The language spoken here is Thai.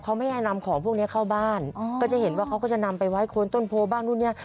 เขาไม่ให้นำของพวกนี้เข้าบ้านก็จะเห็นว่าเขาก็จะนำไปไว้ค้นต้นโพบ้านนู่นเนี่ย